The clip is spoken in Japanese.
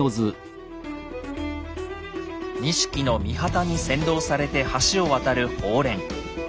錦の御旗に先導されて橋を渡る鳳輦。